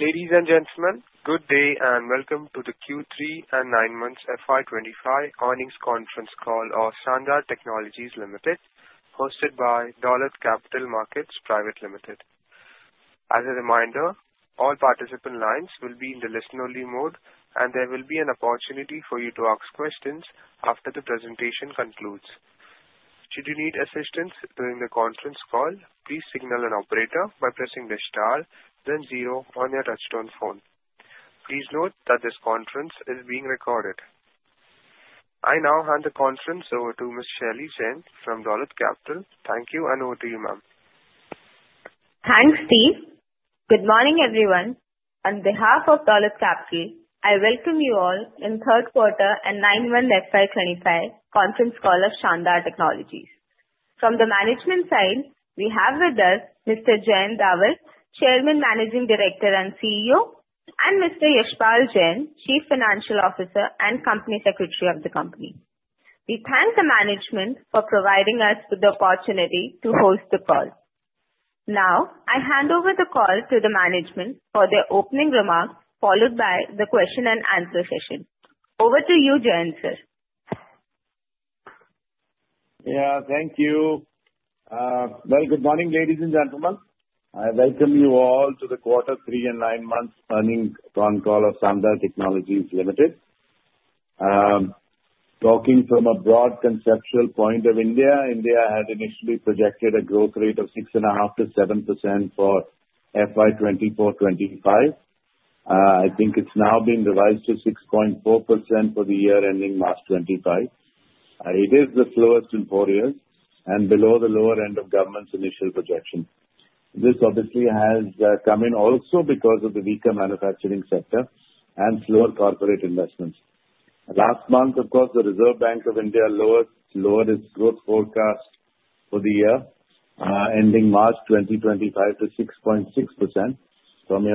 Ladies and gentlemen, good day and welcome to the Q3 and nine months FY25 earnings conference call of Sandhar Technologies Limited, hosted by Dolat Capital Market Pvt. Ltd. As a reminder, all participant lines will be in the listen-only mode, and there will be an opportunity for you to ask questions after the presentation concludes. Should you need assistance during the conference call, please signal an operator by pressing the star, then zero on your touch-tone phone. Please note that this conference is being recorded. I now hand the conference over to Ms. Shaili Jain from Dolat Capital. Thank you, and over to you, ma'am. Thanks, Steve. Good morning, everyone. On behalf of Dolat Capital, I welcome you all in third quarter and nine months FY25 conference call of Sandhar Technologies. From the management side, we have with us Mr. Jayant Davar, Chairman, Managing Director, and CEO, and Mr. Yashpal Jain, Chief Financial Officer and Company Secretary of the company. We thank the management for providing us with the opportunity to host the call. Now, I hand over the call to the management for their opening remarks, followed by the question and answer session. Over to you, Jayant sir. Yeah, thank you. Very good morning, ladies and gentlemen. I welcome you all to the quarter three and nine months earnings con call of Sandhar Technologies Limited. Talking from a broad conceptual point of India, India had initially projected a growth rate of 6.5%-7% for FY24-25. I think it's now been revised to 6.4% for the year ending March 2025. It is the slowest in four years and below the lower end of government's initial projection. This obviously has come in also because of the weaker manufacturing sector and slower corporate investments. Last month, of course, the Reserve Bank of India lowered its growth forecast for the year ending March 2025 to 6.6% from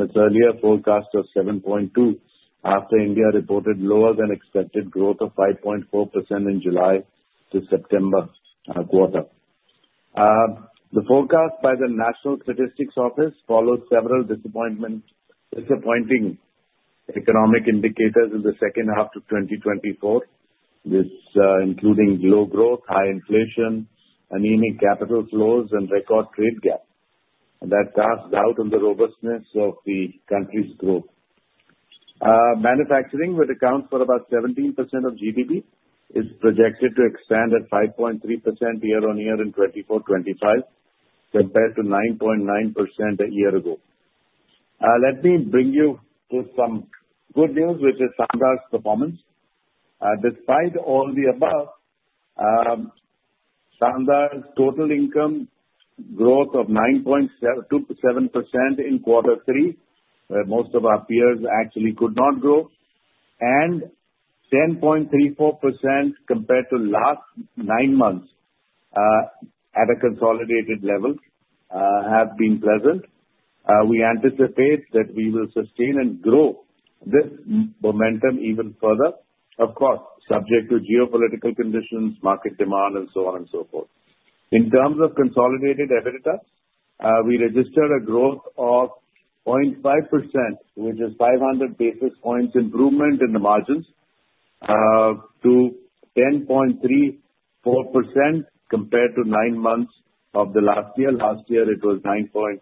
its earlier forecast of 7.2% after India reported lower than expected growth of 5.4% in July to September quarter. The forecast by the National Statistical Office followed several disappointing economic indicators in the second half of 2024, including low growth, high inflation, anemic capital flows, and record trade gap. That cast doubt on the robustness of the country's growth. Manufacturing, which accounts for about 17% of GDP, is projected to expand at 5.3% year on year in 2024-25, compared to 9.9% a year ago. Let me bring you to some good news, which is Sandhar's performance. Despite all the above, Sandhar's total income growth of 9.7% in quarter three, where most of our peers actually could not grow, and 10.34% compared to last nine months at a consolidated level have been present. We anticipate that we will sustain and grow this momentum even further, of course, subject to geopolitical conditions, market demand, and so on and so forth. In terms of consolidated EBITDA, we registered a growth of 0.5%, which is 500 basis points improvement in the margins, to 10.34% compared to nine months of the last year. Last year, it was 10.1%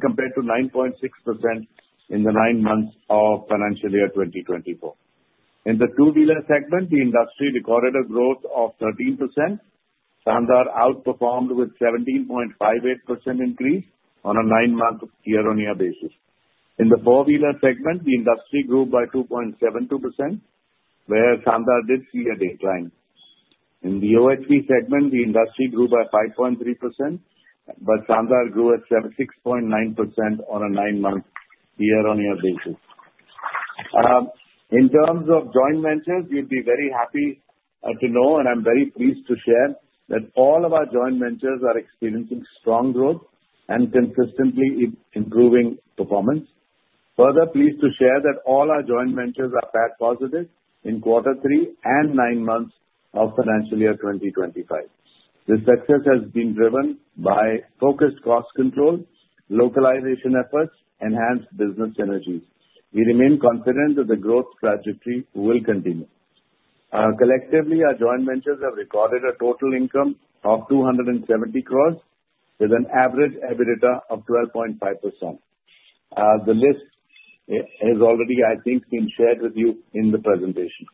compared to 9.6% in the nine months of financial year 2024. In the two-wheeler segment, the industry recorded a growth of 13%. Sandhar outperformed with 17.58% increase on a nine-month year-on-year basis. In the four-wheeler segment, the industry grew by 2.72%, where Sandhar did see a decline. In the OHV segment, the industry grew by 5.3%, but Sandhar grew at 6.9% on a nine-month year-on-year basis. In terms of joint ventures, we'd be very happy to know, and I'm very pleased to share that all of our joint ventures are experiencing strong growth and consistently improving performance. Further, pleased to share that all our joint ventures are PAT positive in quarter three and nine months of financial year 2025. This success has been driven by focused cost control, localization efforts, and enhanced business synergy. We remain confident that the growth trajectory will continue. Collectively, our joint ventures have recorded a total income of 270 crores, with an average EBITDA of 12.5%. The list has already, I think, been shared with you in the presentation.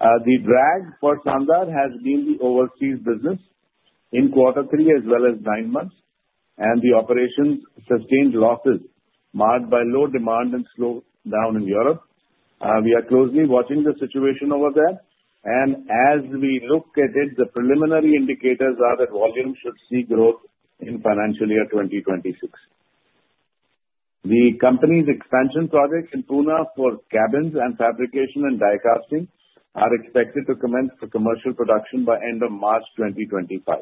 The drag for Sandhar has been the overseas business in quarter three as well as nine months, and the operations sustained losses marked by low demand and slowdown in Europe. We are closely watching the situation over there, and as we look at it, the preliminary indicators are that volume should see growth in financial year 2026. The company's expansion project in Pune for cabins and fabrication and die casting is expected to commence for commercial production by the end of March 2025.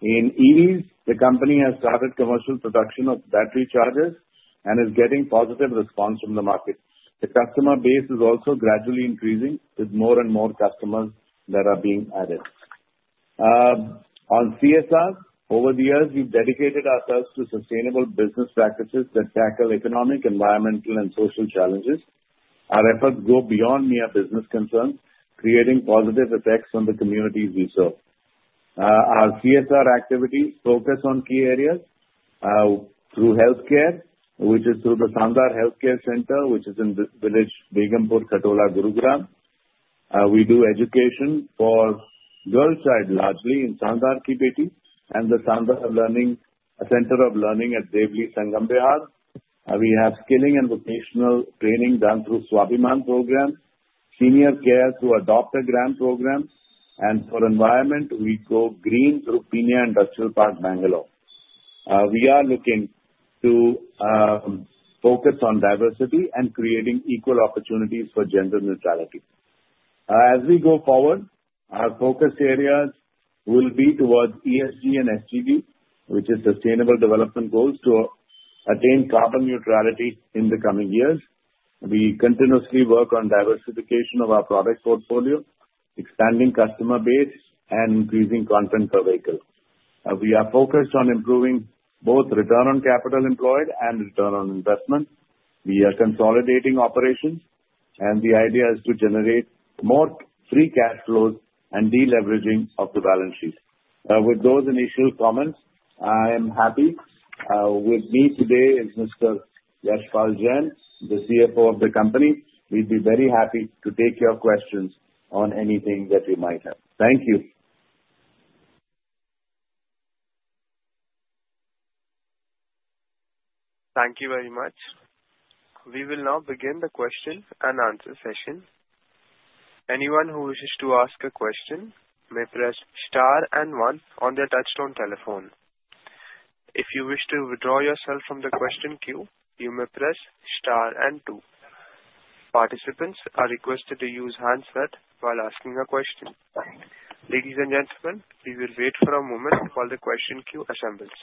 In EVs, the company has started commercial production of battery chargers and is getting positive response from the market. The customer base is also gradually increasing with more and more customers that are being added. On CSR, over the years, we've dedicated ourselves to sustainable business practices that tackle economic, environmental, and social challenges. Our efforts go beyond mere business concerns, creating positive effects on the communities we serve. Our CSR activities focus on key areas through healthcare, which is through the Sandhar Healthcare Centre, which is in the village of Begumpur Khatola, Gurugram. We do education for girls largely in Sandhar Ek Kali and the Sandhar Centre for Learning at Deoli, Sangam Vihar. We have skilling and vocational training done through the Swabhiman program, senior care through the Adopt-a-Grandparent program, and for environment, we go green through Peenya Industrial Park, Bangalore. We are looking to focus on diversity and creating equal opportunities for gender neutrality. As we go forward, our focus areas will be towards ESG and SDG, which is Sustainable Development Goals, to attain carbon neutrality in the coming years. We continuously work on diversification of our product portfolio, expanding customer base, and increasing content per vehicle. We are focused on improving both return on capital employed and return on investment. We are consolidating operations, and the idea is to generate more free cash flows and deleveraging of the balance sheet. With those initial comments, I am happy. With me today is Mr. Yashpal Jain, the CFO of the company. We'd be very happy to take your questions on anything that you might have. Thank you. Thank you very much. We will now begin the question and answer session. Anyone who wishes to ask a question may press star and one on their touch-tone telephone. If you wish to withdraw yourself from the question queue, you may press star and two. Participants are requested to use handset while asking a question. Ladies and gentlemen, we will wait for a moment while the question queue assembles.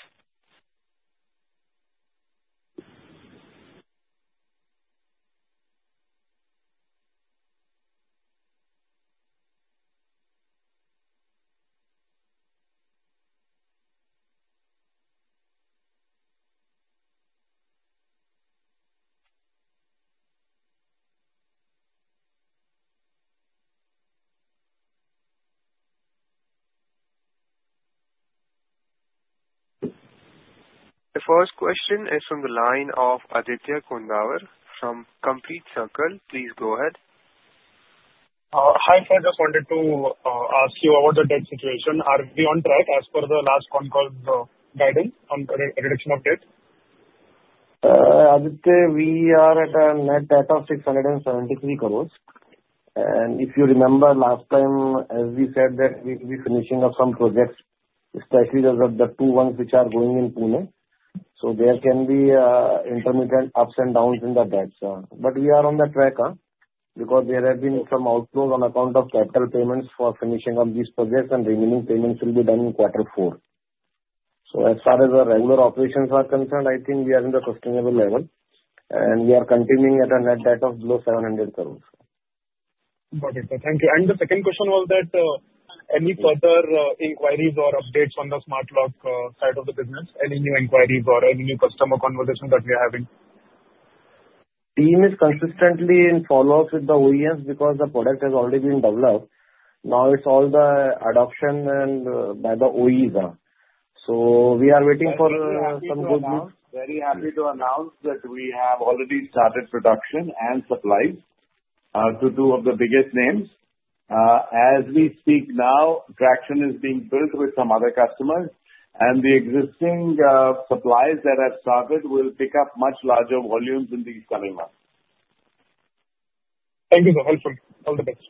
The first question is from the line of Aditya Kondawar from Complete Circle Capital. Please go ahead. Hi, sir. Just wanted to ask you about the debt situation. Are we on track as per the last con call guidance on reduction of debt? Aditya, we are at a net debt of 673 crores. And if you remember last time, as we said, that we'll be finishing up some projects, especially the two ones which are going in Pune. So there can be intermittent ups and downs in the debts. But we are on the track because there have been some outflows on account of capital payments for finishing up these projects, and remaining payments will be done in quarter four. So as far as the regular operations are concerned, I think we are in the sustainable level, and we are continuing at a net debt of below 700 crores. Got it. Thank you, and the second question was that any further inquiries or updates on the Smart Lock side of the business? Any new inquiries or any new customer conversations that we are having? Team is consistently in follow-up with the OEMs because the product has already been developed. Now it's all the adoption by the OEs. So we are waiting for some good news. We are very happy to announce that we have already started production and supplies to two of the biggest names. As we speak now, traction is being built with some other customers, and the existing supplies that have started will pick up much larger volumes in these coming months. Thank you, sir. All the best.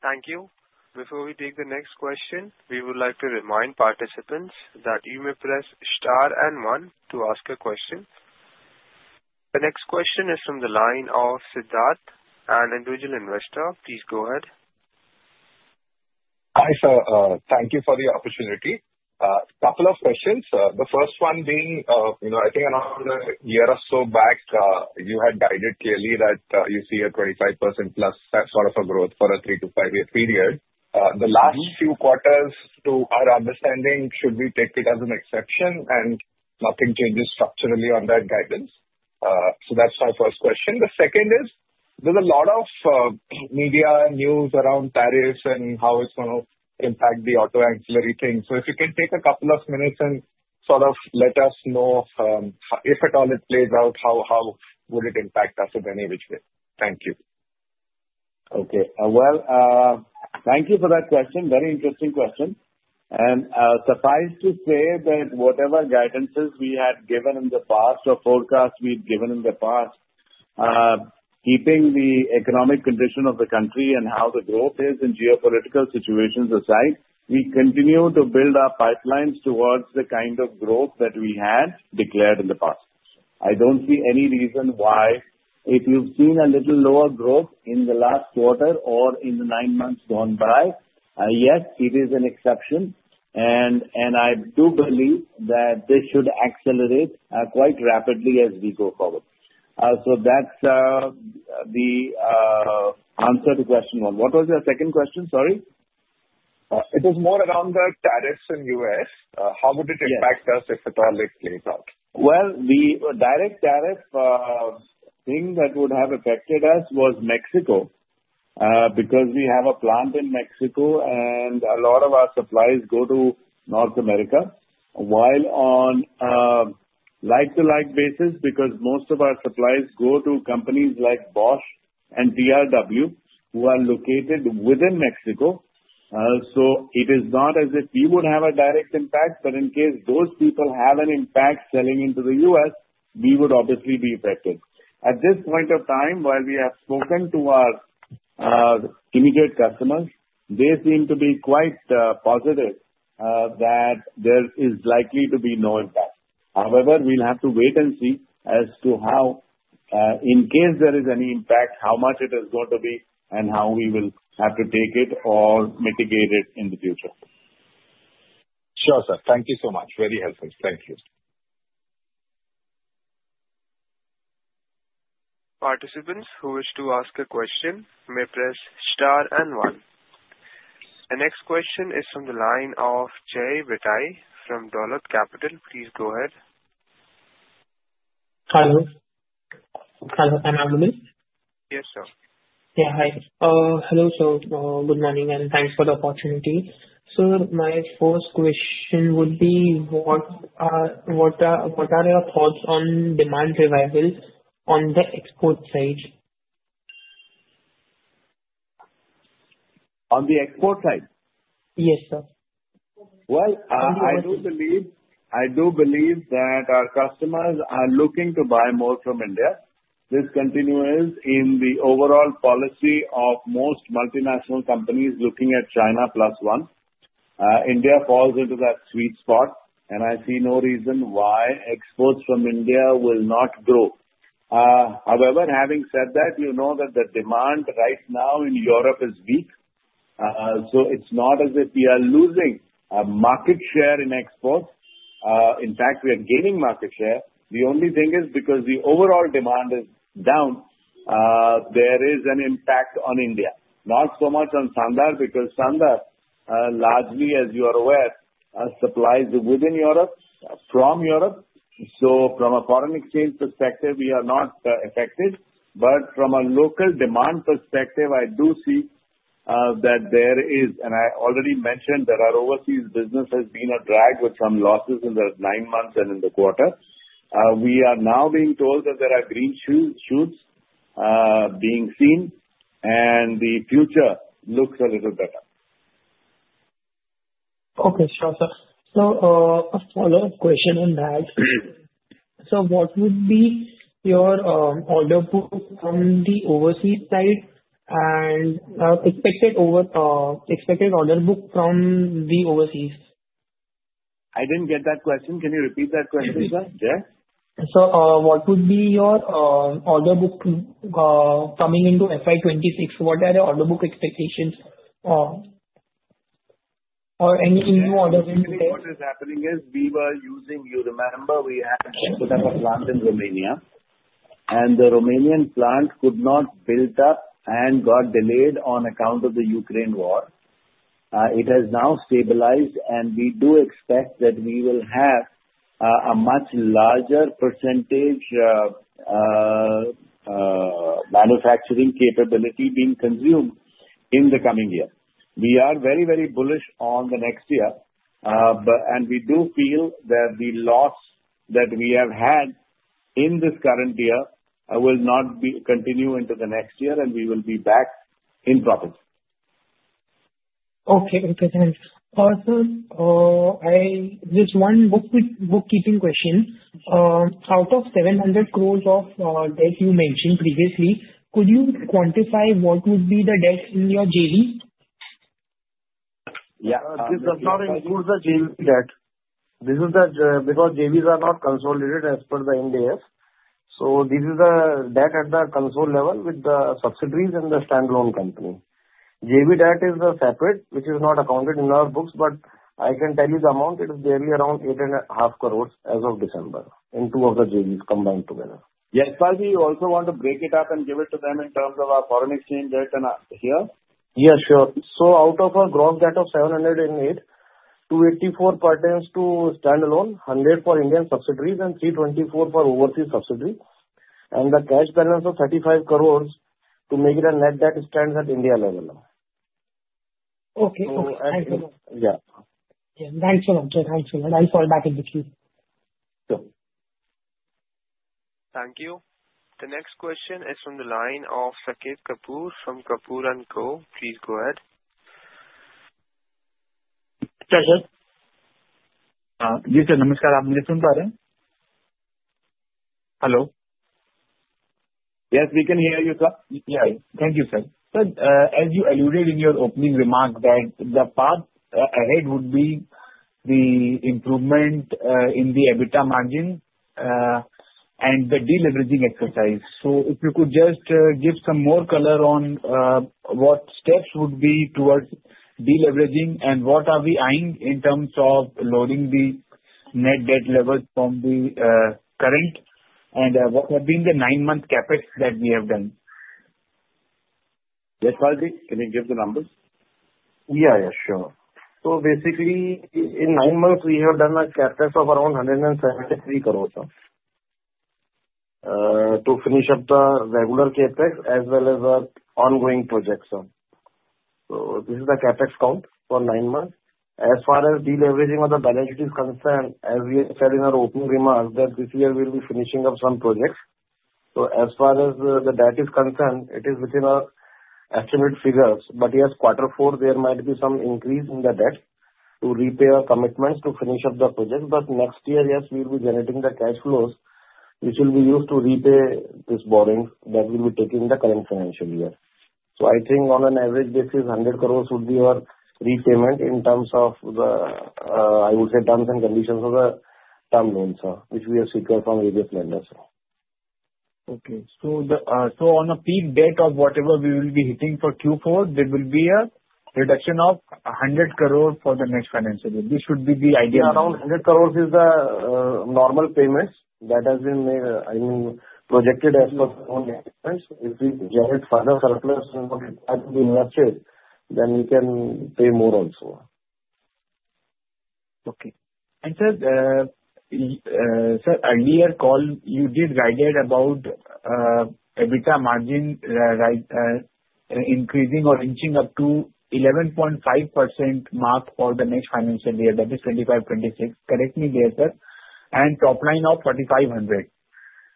Thank you. Before we take the next question, we would like to remind participants that you may press star and one to ask a question. The next question is from the line of Siddharth, an individual investor. Please go ahead. Hi, sir. Thank you for the opportunity. A couple of questions. The first one being, I think around a year or so back, you had guided clearly that you see a 25% plus sort of a growth for a three to five-year period. The last few quarters, to our understanding, should we take it as an exception and nothing changes structurally on that guidance? So that's my first question. The second is, there's a lot of media news around tariffs and how it's going to impact the auto ancillary things. So if you can take a couple of minutes and sort of let us know if at all it plays out, how would it impact us in any which way? Thank you. Okay. Well, thank you for that question. Very interesting question. And suffice to say that whatever guidances we had given in the past or forecasts we've given in the past, keeping the economic condition of the country and how the growth is in geopolitical situations aside, we continue to build our pipelines towards the kind of growth that we had declared in the past. I don't see any reason why if you've seen a little lower growth in the last quarter or in the nine months gone by, yes, it is an exception. And I do believe that this should accelerate quite rapidly as we go forward. So that's the answer to question one. What was your second question? Sorry. It is more around the tariffs in the U.S. How would it impact us if at all it plays out? The direct tariff thing that would have affected us was Mexico because we have a plant in Mexico, and a lot of our supplies go to North America while on like-for-like basis because most of our supplies go to companies like Bosch and BMW, who are located within Mexico. So it is not as if we would have a direct impact, but in case those people have an impact selling into the U.S., we would obviously be affected. At this point of time, while we have spoken to our immediate customers, they seem to be quite positive that there is likely to be no impact. However, we'll have to wait and see as to how, in case there is any impact, how much it is going to be and how we will have to take it or mitigate it in the future. Sure, sir. Thank you so much. Very helpful. Thank you. Participants who wish to ask a question may press star and one. The next question is from the line of Jay Shah from Dolat Capital. Please go ahead. Hi. Hi, sir. Can I have your name? Yes, sir. Yeah. Hi. Hello, sir. Good morning, and thanks for the opportunity. Sir, my first question would be, what are your thoughts on demand revival on the export side? On the export side? Yes, sir. I do believe that our customers are looking to buy more from India. This continues in the overall policy of most multinational companies looking at China plus one. India falls into that sweet spot, and I see no reason why exports from India will not grow. However, having said that, you know that the demand right now in Europe is weak. So it's not as if we are losing market share in exports. In fact, we are gaining market share. The only thing is, because the overall demand is down, there is an impact on India, not so much on Sandhar because Sandhar, largely, as you are aware, supplies within Europe, from Europe, so from a foreign exchange perspective, we are not affected. But from a local demand perspective, I do see that there is, and I already mentioned that our overseas business has been a drag with some losses in the nine months and in the quarter. We are now being told that there are green shoots being seen, and the future looks a little better. Okay. Sure, sir. So a follow-up question on that. So what would be your order book from the overseas side and expected order book from the overseas? I didn't get that question. Can you repeat that question, sir? Yeah. So what would be your order book coming into FY26? What are the order book expectations or any new orders? What is happening is we were using. You remember we had a plant in Romania, and the Romanian plant could not build up and got delayed on account of the Ukraine war. It has now stabilized, and we do expect that we will have a much larger percentage manufacturing capability being consumed in the coming year. We are very, very bullish on the next year, and we do feel that the loss that we have had in this current year will not continue into the next year, and we will be back in profit. Okay. Thanks. Also, just one bookkeeping question. Out of 700 crores of debt you mentioned previously, could you quantify what would be the debt in your JV? Yeah. This does not include the JV debt. This is because JVs are not consolidated as per the Ind AS. So this is the debt at the consolidated level with the subsidiaries and the standalone company. JV debt is separate, which is not accounted in our books, but I can tell you the amount. It is nearly around 8.5 crores as of December in two of the JVs combined together. Yes. But we also want to break it up and give it to them in terms of our foreign exchange debt here. Yeah, sure. So out of our gross debt of 708 crore, 284 crore pertains to standalone, 100 crore for Indian subsidiaries, and 324 crore for overseas subsidiaries. And the cash balance of 35 crores to make it a net debt stands at India level. Okay. Thank you. Yeah. Yeah. Thanks a lot, sir. Thanks a lot. I'll fall back in between. Sure. Thank you. The next question is from the line of Saket Kapoor from Kapoor & Co. Please go ahead. Sir, sir. Ji, sir, namaskar. Aap mujhe sun pa rahe hain? Hello. Yes, we can hear you, sir. Yeah. Thank you, sir. Sir, as you alluded in your opening remark, that the path ahead would be the improvement in the EBITDA margin and the deleveraging exercise. So if you could just give some more color on what steps would be towards deleveraging and what are we eyeing in terms of lowering the net debt level from the current and what have been the nine-month CapEx that we have done? Yes, sir. Can you give the numbers? Yeah, yeah, sure. So basically, in nine months, we have done a CapEx of around 173 crores to finish up the regular CapEx as well as the ongoing projects. So this is the CapEx count for nine months. As far as deleveraging of the balance sheet is concerned, as we said in our opening remarks, that this year we'll be finishing up some projects. As far as the debt is concerned, it is within our estimate figures. But yes, quarter four, there might be some increase in the debt to repay our commitments to finish up the projects. But next year, yes, we'll be generating the cash flows which will be used to repay this borrowing that we'll be taking in the current financial year. I think on an average basis, 100 crores would be our repayment in terms of the, I would say, terms and conditions of the term loans which we have secured from various lenders. Okay, so on a peak debt of whatever we will be hitting for Q4, there will be a reduction of 100 crores for the next financial year. This should be the ideal. Around 100 crores is the normal payments that has been projected as per the current. If we generate further surplus and invest it, then we can pay more also. Okay. And, sir, earlier call, you did guide about EBITDA margin increasing or inching up to 11.5% mark for the next financial year, that is 25-26. Correct me there, sir. And top line of 4,500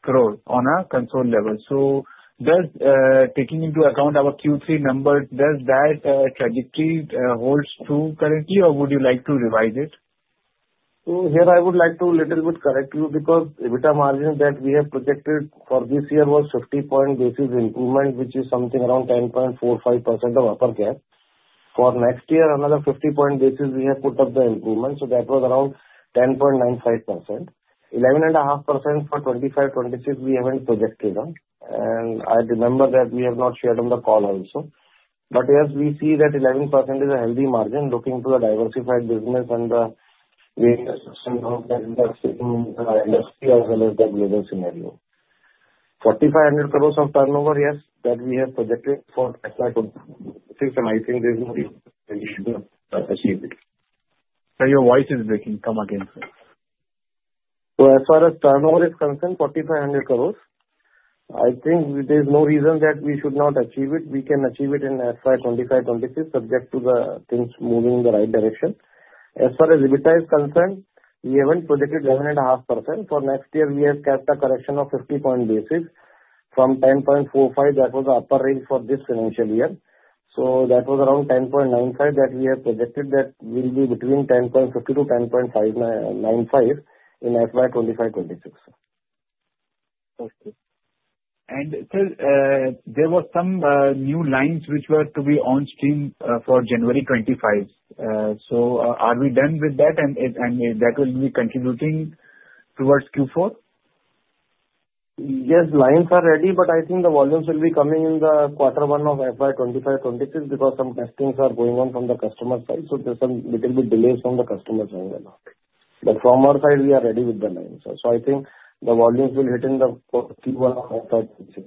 crores on a consolidated level. So taking into account our Q3 numbers, does that trajectory hold true currently, or would you like to revise it? So here, I would like to a little bit correct you because EBITDA margin that we have projected for this year was 50-point basis improvement, which is something around 10.45% upper cap. For next year, another 50-point basis we have put up the improvement. So that was around 10.95%. 11.5% for 25-26, we haven't projected on. And I remember that we have not shared on the call also. But yes, we see that 11% is a healthy margin looking to the diversified business and the way that we are seeing in the industry as well as the global scenario. 4,500 crores of turnover, yes, that we have projected for FY26, and I think this is achievable. Sir, your voice is breaking. Come again, sir. So as far as turnover is concerned, 4,500 crores, I think there is no reason that we should not achieve it. We can achieve it in FY25-26 subject to the things moving in the right direction. As far as EBITDA is concerned, we haven't projected 11.5%. For next year, we have kept a correction of 50 basis points from 10.45%. That was the upper range for this financial year. So that was around 10.95% that we have projected that will be between 10.50% to 10.95% in FY25-26. Okay. And, sir, there were some new lines which were to be on stream for January 25. So are we done with that, and that will be contributing towards Q4? Yes, lines are ready, but I think the volumes will be coming in the quarter one of FY25-26 because some testings are going on from the customer side. So there's some little bit delays from the customer side as well. But from our side, we are ready with the lines. So I think the volumes will hit in the Q1 of FY26.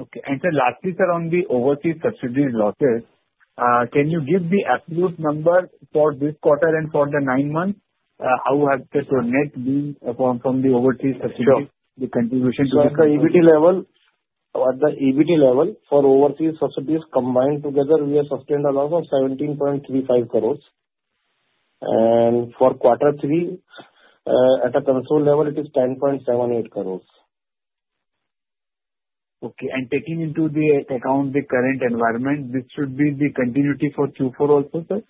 Okay. And, sir, lastly, sir, on the overseas subsidiaries losses, can you give the absolute number for this quarter and for the nine months? How has the net been from the overseas subsidiaries? The contribution to the. Sir, the EBITDA level for overseas subsidiaries combined together, we have sustained a loss of 17.35 crores. And for quarter three, at a consolidated level, it is 10.78 crores. Okay. And taking into account the current environment, this should be the continuity for Q4 also, sir?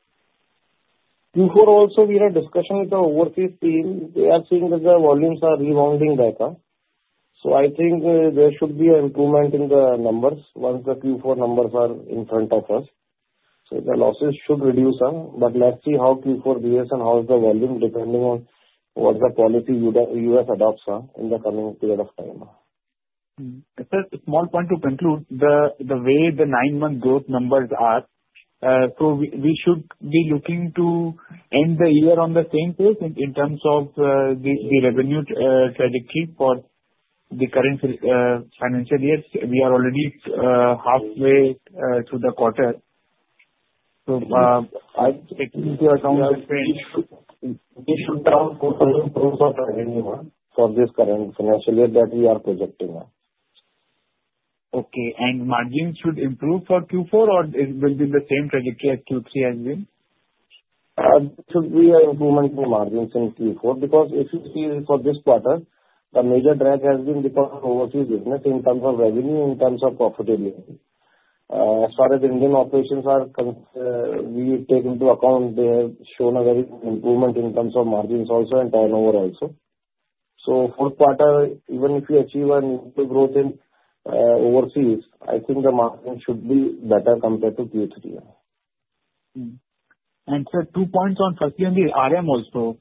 Q4 also, we had discussion with the overseas team. We are seeing that the volumes are rebounding back. So I think there should be an improvement in the numbers once the Q4 numbers are in front of us. So the losses should reduce. But let's see how Q4 behaves and how is the volume depending on what the policy U.S. adopts in the coming period of time. Sir, small point to conclude, the way the nine-month growth numbers are, so we should be looking to end the year on the same page in terms of the revenue trajectory for the current financial year. We are already halfway through the quarter. So I'm taking into account the change. We should have INR 4,000 crores of revenue for this current financial year that we are projecting. Okay, and margins should improve for Q4, or it will be the same trajectory as Q3 has been? We have improvement in margins in Q4 because if you see for this quarter, the major drag has been because of overseas business in terms of revenue, in terms of profitability. As far as Indian operations are, we take into account they have shown a very good improvement in terms of margins also and turnover also. So for quarter, even if we achieve an improved growth in overseas, I think the margins should be better compared to Q3. Sir, two points on firstly on the RM also.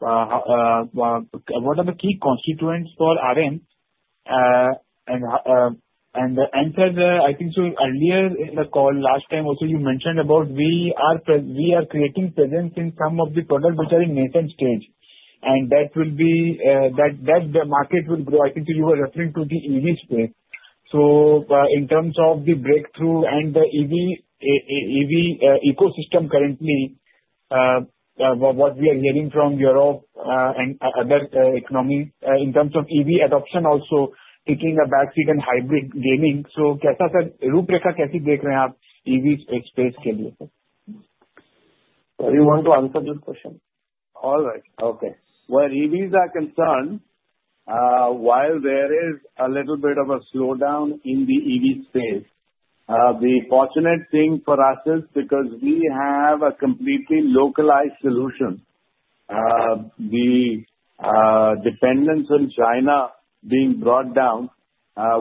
What are the key constituents for RM? Sir, I think earlier in the call last time also, you mentioned about we are creating presence in some of the products which are in nascent stage. And that will be that the market will grow. I think you were referring to the EV space. So in terms of the breakthrough and the EV ecosystem currently, what we are hearing from Europe and other economies in terms of EV adoption also taking a backseat and hybrids gaining. So Yashpal sir, in that regard, how do you see EV space? You want to answer this question? All right. Okay. Where EVs are concerned, while there is a little bit of a slowdown in the EV space, the fortunate thing for us is because we have a completely localized solution. The dependence on China being brought down,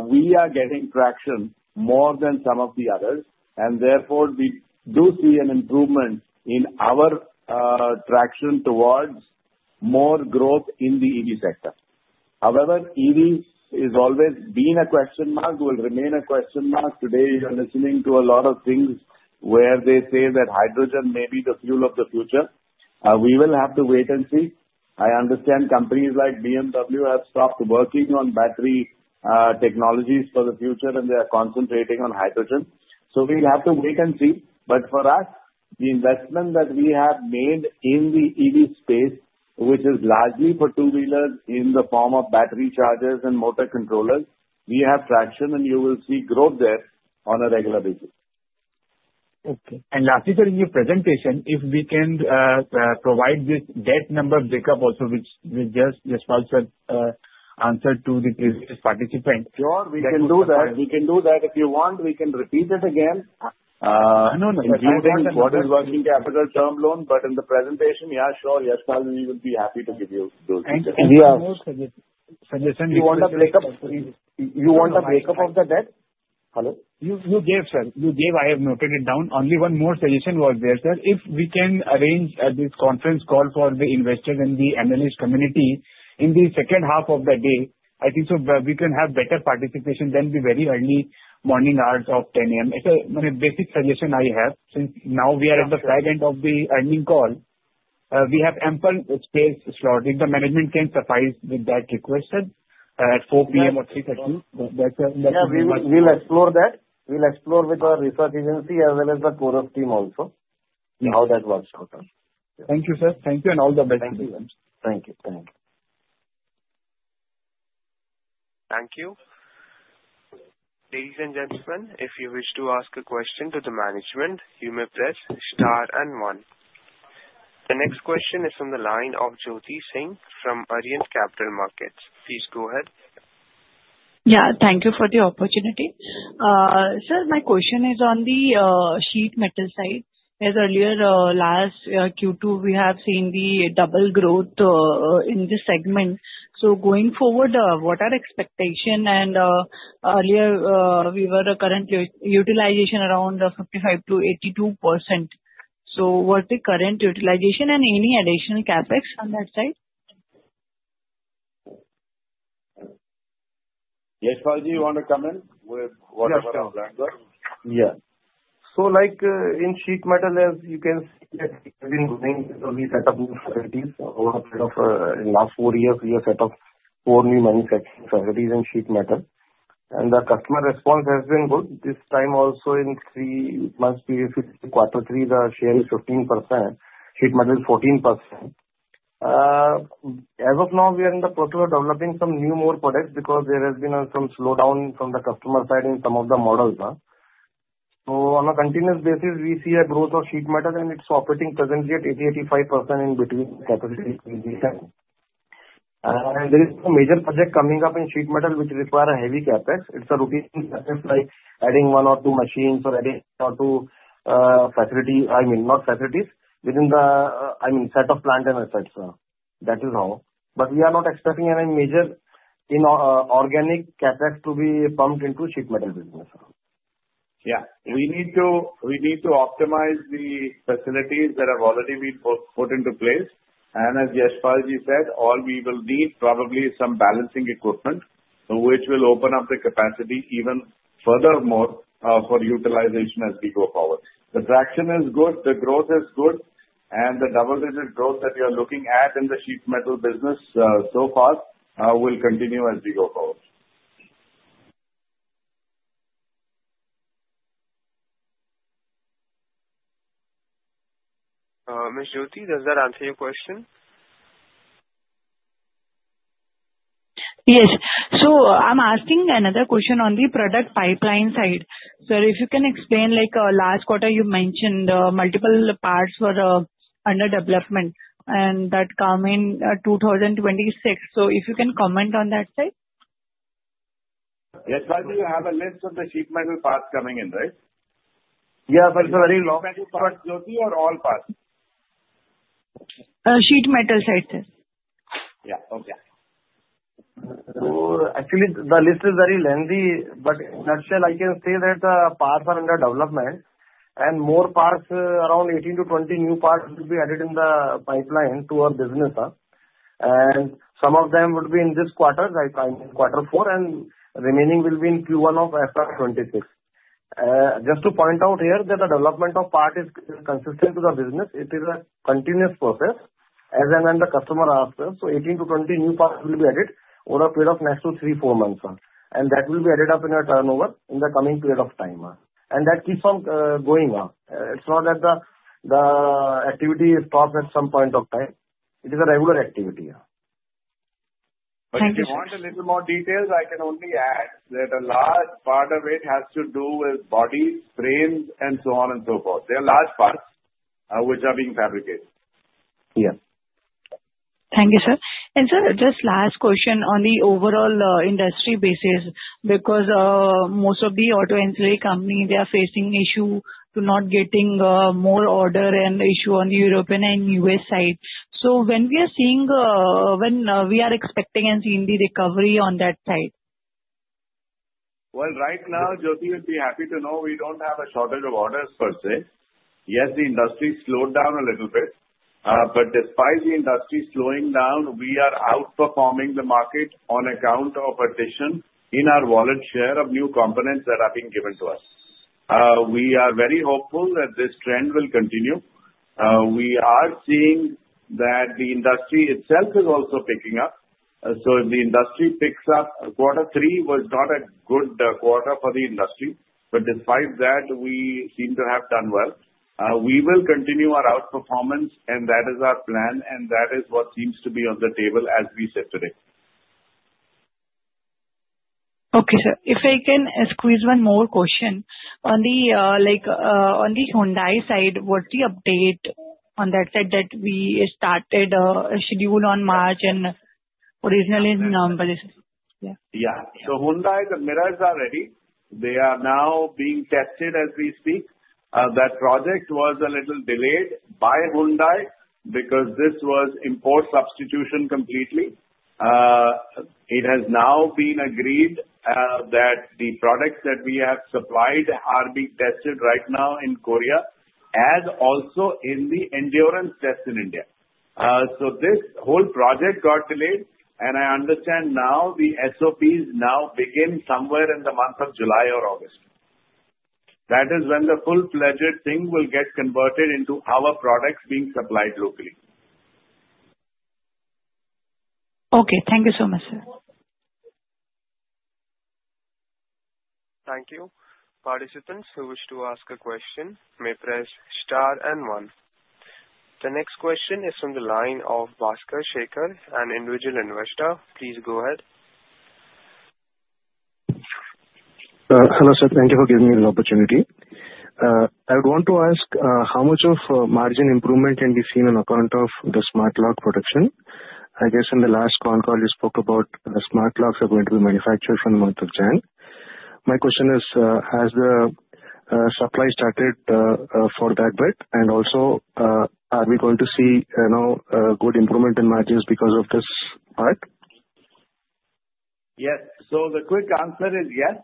we are getting traction more than some of the others. Therefore, we do see an improvement in our traction towards more growth in the EV sector. However, EVs has always been a question mark, will remain a question mark. Today, we are listening to a lot of things where they say that hydrogen may be the fuel of the future. We will have to wait and see. I understand companies like BMW have stopped working on battery technologies for the future, and they are concentrating on hydrogen. So we'll have to wait and see. But for us, the investment that we have made in the EV space, which is largely for two-wheelers in the form of battery chargers and motor controllers, we have traction, and you will see growth there on a regular basis. Okay. And lastly, sir, in your presentation, if we can provide this debt number breakup also, which Jayant Davar sir answered to the previous participant. Sure, we can do that. We can do that. If you want, we can repeat it again. No, no. Including what is working capital term loan, but in the presentation, yeah, sure. Yes, sir, we would be happy to give you those details. We have suggestions. You want a breakup? You want a breakup of the debt? Hello? You gave, sir. You gave. I have noted it down. Only one more suggestion was there, sir. If we can arrange at this conference call for the investors and the analyst community in the second half of the day, I think so we can have better participation than the very early morning hours of 10:00 A.M. It's a basic suggestion I have. Since now we are at the flag end of the earnings call, we have ample space slotting. The management can suffice with that requested at 4:00 P.M. or 3:30 P.M. Yeah, we'll explore that. We'll explore with our research agency as well as the Chorus team also how that works out. Thank you, sir. Thank you and all the best. Thank you. Thank you. Thank you. Ladies and gentlemen, if you wish to ask a question to the management, you may press star and one. The next question is from the line of Jyoti Singh from Arihant Capital Markets. Please go ahead. Yeah, thank you for the opportunity. Sir, my question is on the sheet metal side. As earlier, last Q2, we have seen the double growth in the segment. So going forward, what are expectations? And earlier, we were current utilization around 55%-82%. So what's the current utilization and any additional Capex on that side? Yes, sir, do you want to come in with whatever language? Yes. So in sheet metal, as you can see, we've been doing some setup new facilities. Over the last four years, we have set up four new manufacturing facilities in sheet metal. And the customer response has been good. This time also, in three months' period, quarter three, the share is 15%. Sheet metal is 14%. As of now, we are in the process of developing some new more products because there has been some slowdown from the customer side in some of the models. So on a continuous basis, we see a growth of sheet metal, and it's operating presently at 80%-85% in between capacity. And there is a major project coming up in sheet metal which requires a heavy Capex. It's a routine Capex like adding one or two machines or adding one or two facilities. I mean, not facilities, within the, I mean, set of plant and etc. That is all. But we are not expecting any major organic Capex to be pumped into sheet metal business. Yeah. We need to optimize the facilities that have already been put into place. And as Jayant Davar said, all we will need probably some balancing equipment which will open up the capacity even furthermore for utilization as we go forward. The traction is good. The growth is good. And the double-digit growth that we are looking at in the sheet metal business so far will continue as we go forward. Ms. Jyoti, does that answer your question? Yes. So I'm asking another question on the product pipeline side. Sir, if you can explain, last quarter, you mentioned multiple parts were under development, and that come in 2026. So if you can comment on that side? Yes, sir, do you have a list of the sheet metal parts coming in, right? Yeah, but it's a very long. Sheet Metal parts? Jyoti or all parts? Sheet Metal side, sir. Yeah. Okay. So actually, the list is very lengthy. But in a nutshell, I can say that the parts are under development. And more parts, around 18-20 new parts, will be added in the pipeline to our business. And some of them would be in this quarter, quarter four, and remaining will be in Q1 of FY26. Just to point out here that the development of part is consistent to the business. It is a continuous process as and when the customer asks. So 18-20 new parts will be added over a period of next to three, four months. And that will be added up in a turnover in the coming period of time. And that keeps on going. It's not that the activity stops at some point of time. It is a regular activity. Thank you, sir. If you want a little more details, I can only add that a large part of it has to do with bodies, frames, and so on and so forth. They are large parts which are being fabricated. Yes. Thank you, sir, and, sir, just last question on the overall industry basis because most of the auto ancillary companies, they are facing issues to not getting more order and issue on the European and U.S. side. So, when we are expecting and seeing the recovery on that side? Right now, Jyoti will be happy to know we don't have a shortage of orders, per se. Yes, the industry slowed down a little bit. But despite the industry slowing down, we are outperforming the market on account of addition in our volume share of new components that are being given to us. We are very hopeful that this trend will continue. We are seeing that the industry itself is also picking up. So if the industry picks up, quarter three was not a good quarter for the industry. But despite that, we seem to have done well. We will continue our outperformance, and that is our plan, and that is what seems to be on the table as we sit today. Okay, sir. If I can squeeze one more question. On the Hyundai side, what's the update on that side that we started a schedule on March and originally in November? Yeah. So, Hyundai, the mirrors are ready. They are now being tested as we speak. That project was a little delayed by Hyundai because this was import substitution completely. It has now been agreed that the products that we have supplied are being tested right now in Korea and also in the endurance test in India. So this whole project got delayed, and I understand now the SOPs begin somewhere in the month of July or August. That is when the full-fledged thing will get converted into our products being supplied locally. Okay. Thank you so much, sir. Thank you. Participants who wish to ask a question may press star and one. The next question is from the line of Bhaskar Sarkar, an individual investor. Please go ahead. Hello, sir. Thank you for giving me the opportunity. I would want to ask how much of margin improvement can be seen on account of the smart lock production? I guess in the last con call, you spoke about the smart locks are going to be manufactured from the month of January. My question is, has the supply started for that bit? And also, are we going to see a good improvement in margins because of this part? Yes. So the quick answer is yes.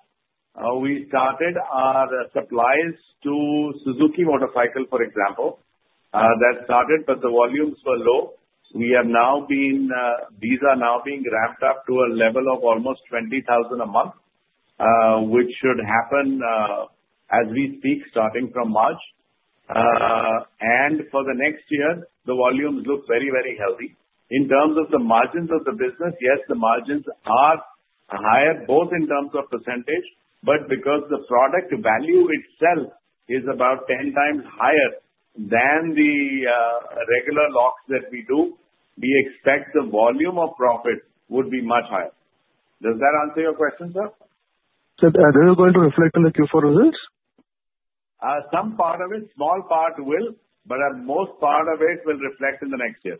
We started our supplies to Suzuki Motorcycle, for example. That started, but the volumes were low. We are now; these are now being ramped up to a level of almost 20,000 a month, which should happen as we speak starting from March. And for the next year, the volumes look very, very healthy. In terms of the margins of the business, yes, the margins are higher both in terms of percentage, but because the product value itself is about 10 times higher than the regular locks that we do, we expect the volume of profit would be much higher. Does that answer your question, sir? Sir, are they going to reflect on the Q4 results? Some part of it, small part will, but most part of it will reflect in the next year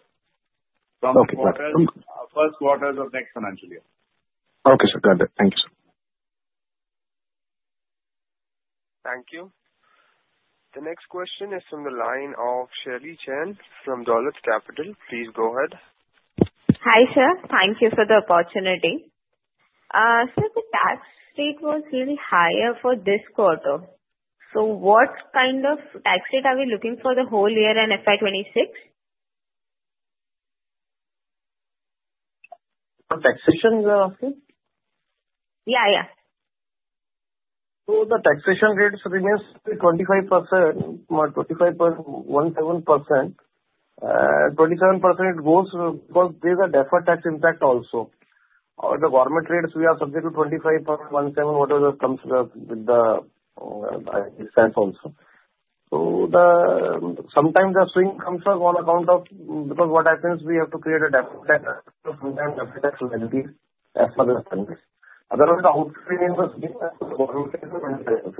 from the first quarters of next financial year. Okay, sir. Got it. Thank you, sir. Thank you. The next question is from the line of Shaili Jain from Dolat Capital. Please go ahead. Hi, sir. Thank you for the opportunity. Sir, the tax rate was really higher for this quarter. So what kind of tax rate are we looking for the whole year and FY26? Taxation you are asking? Yeah, yeah. So the taxation rate remains 25%, 25.17%. 27% goes because there's a deferred tax impact also. The government rate, we are subject to 25.17%, whatever comes with the cess also. So sometimes the swing comes on account of because what happens, we have to create a deferred tax liability as per the standards. Otherwise, the tax on income at the government rate is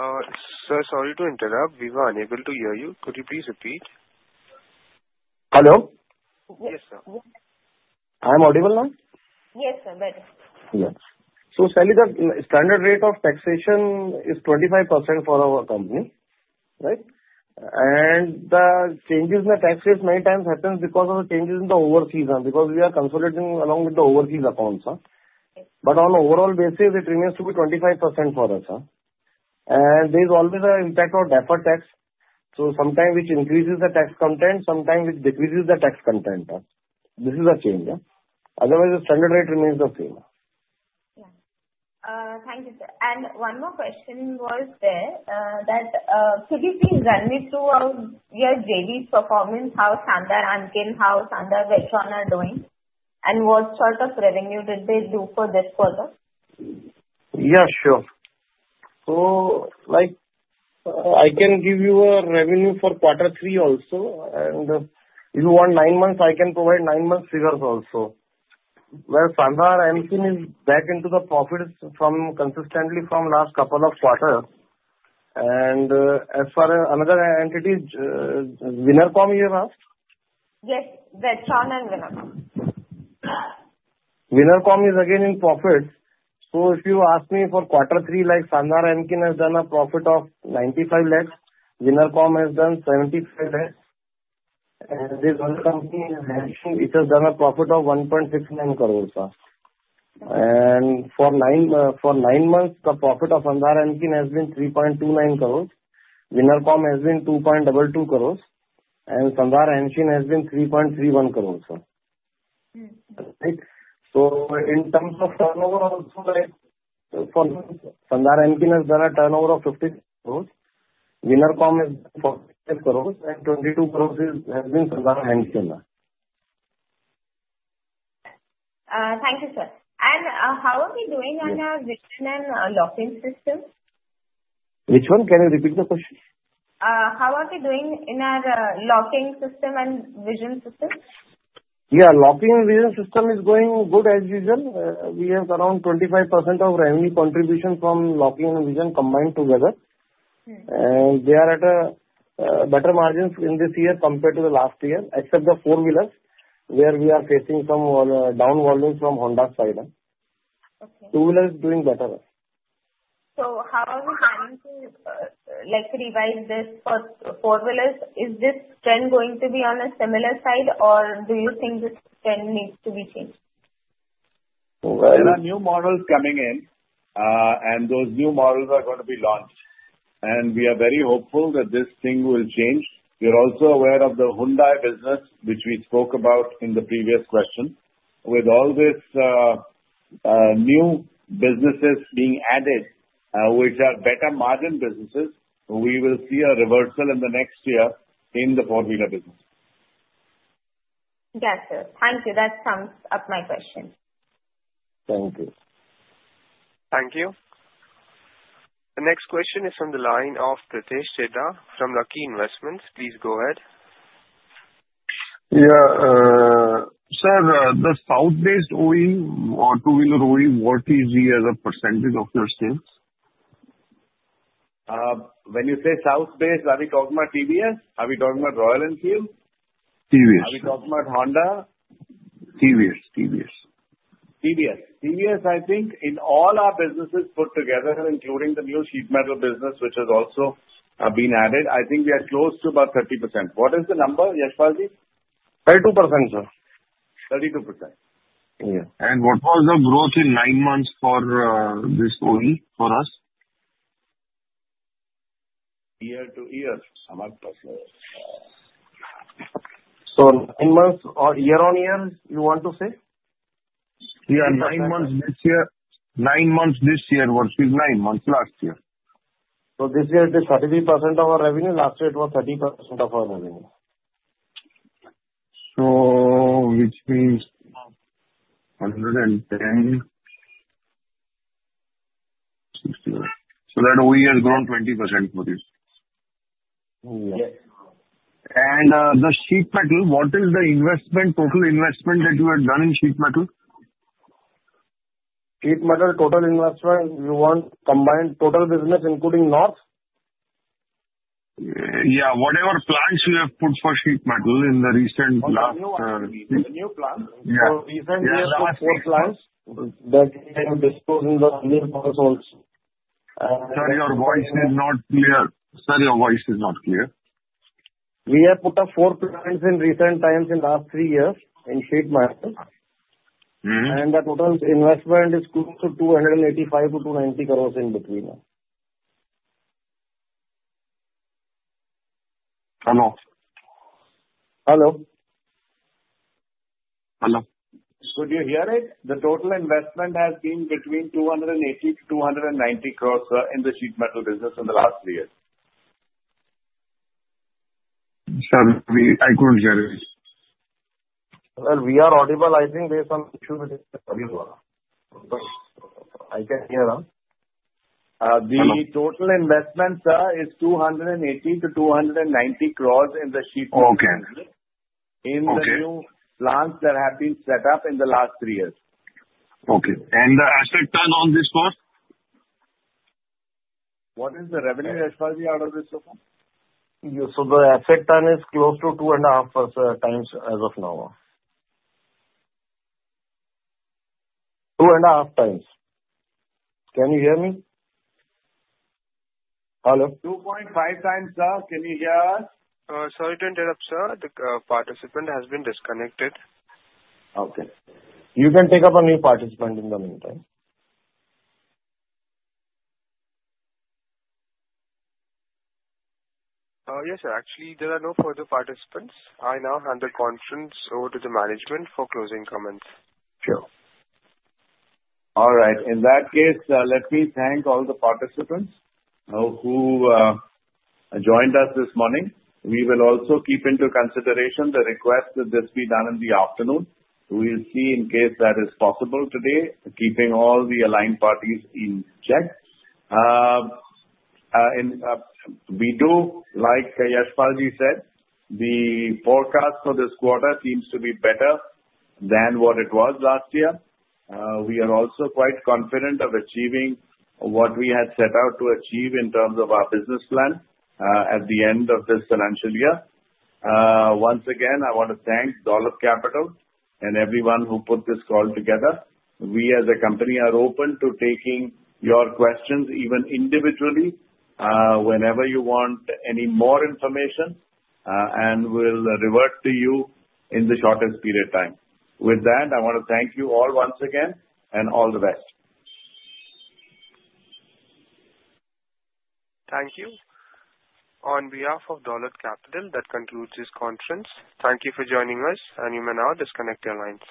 25%. Sir, sorry to interrupt. We were unable to hear you. Could you please repeat? Hello? Yes, sir. I'm audible now? Yes, sir. Better. Yes. So Shelley, the standard rate of taxation is 25% for our company, right? And the changes in the tax rate many times happens because of the changes in the overseas because we are consolidating along with the overseas accounts. But on an overall basis, it remains to be 25% for us. And there is always an impact on deferred tax. So sometimes which increases the tax content, sometimes which decreases the tax content. This is a change. Otherwise, the standard rate remains the same. Yeah. Thank you, sir. And one more question was there that could you please run me through your daily performance, how Sandhar Amkin, how Sandhar Whetron are doing, and what sort of revenue did they do for this quarter? Yeah, sure. So I can give you a revenue for quarter three also. And if you want nine months, I can provide nine months figures also. Sandhar Amkin is back into the profits consistently from last couple of quarters. And as far as another entity, Winnercom, you have asked? Yes. Whetron and Winnercom. Winnercom is again in profits. So if you ask me for quarter three, Sandhar Amkin has done a profit of 95 lakhs. Winnercom has done 75 lakhs. And Sandhar Hanshin has done a profit of 1.69 crores. And for nine months, the profit of Sandhar Amkin has been 3.29 crores. Winnercom has been 2.22 crores. And Sandhar Hanshin has been 3.31 crores. So in terms of turnover also, Sandhar Amkin has done a turnover of 50 crores. Winnercom is 45 crores, and 22 crores has been Sandhar Amkin. Thank you, sir. And how are we doing on our vision and lock-in system? Which one? Can you repeat the question? How are we doing in our locking system and vision system? Yeah. Locking and vision system is going good as usual. We have around 25% of revenue contribution from locking and vision combined together. And they are at a better margin in this year compared to the last year, except the four-wheelers where we are facing some down volume from Honda's side. Two-wheeler is doing better. So how are we planning to revise this for four-wheelers? Is this trend going to be on a similar side, or do you think this trend needs to be changed? There are new models coming in, and those new models are going to be launched. We are very hopeful that this thing will change. You're also aware of the Hyundai business, which we spoke about in the previous question. With all these new businesses being added, which are better margin businesses, we will see a reversal in the next year in the four-wheeler business. Yes, sir. Thank you. That sums up my question. Thank you. Thank you. The next question is from the line of Pratesh Chheda from Lucky Investments. Please go ahead. Yeah. Sir, the South-based OE, or two-wheeler OE, what is the percentage of your sales? When you say South-based, are we talking about TVS? Are we talking about Royal Enfield? TVS. Are we talking about Honda? TVS. TVS. TVS. TVS, I think, in all our businesses put together, including the new sheet metal business, which has also been added, I think we are close to about 30%. What is the number, Yashpalji? 32%, sir. 32%. What was the growth in nine months for this OE for us? Year to year. So nine months or year on year, you want to say? Yeah, nine months this year. Nine months this year versus nine months last year. This year it is 33% of our revenue. Last year it was 30% of our revenue. So which means 110. So that OE has grown 20% for this. Yes. And the sheet metal, what is the investment, total investment that you have done in sheet metal? Sheet metal total investment, you want combined total business including North? Yeah. Whatever plans you have put forth for sheet metal in the recent past. The new plans. In recent years, four plans that we have disclosed in the new plans also. Sir, your voice is not clear. We have put up four plants in recent times in the last three years in sheet metal. And the total investment is close to 285-290 crores in between. Hello? Hello? Hello? Could you hear it? The total investment has been between 280 to 290 crores in the sheet metal business in the last three years. Sir, I couldn't hear you. We are audible, I think, based on issues with the audio. I can hear you. The total investment, sir, is 280-290 crores in the sheet metal business in the new plants that have been set up in the last three years. Okay. And the asset turn on this four? What is the revenue, Yashpalji, out of this four? So the asset turn is close to two and a half times as of now. Two and a half times. Can you hear me? Hello? 2.5 times, sir. Can you hear us? Sorry to interrupt, sir. The participant has been disconnected. Okay. You can take up a new participant in the meantime. Yes, sir. Actually, there are no further participants. I now hand the conference over to the management for closing comments. Sure. All right. In that case, let me thank all the participants who joined us this morning. We will also keep into consideration the request that this be done in the afternoon. We'll see in case that is possible today, keeping all the aligned parties in check. We do, like Yashpalji said. The forecast for this quarter seems to be better than what it was last year. We are also quite confident of achieving what we had set out to achieve in terms of our business plan at the end of this financial year. Once again, I want to thank Dolat Capital and everyone who put this call together. We, as a company, are open to taking your questions even individually whenever you want any more information and will revert to you in the shortest period of time. With that, I want to thank you all once again and all the best. Thank you. On behalf of Dolat Capital, that concludes this conference. Thank you for joining us, and you may now disconnect your lines.